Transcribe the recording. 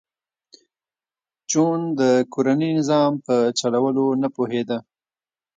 جون د کورني نظام په چلولو نه پوهېده